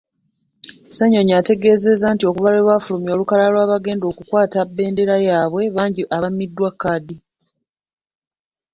Ssenyonyi ategeezezza nti okuva lwebafulumya olukalala lw'abagenda okukwata bbendera yabwe bangi abammibwa kkaadi.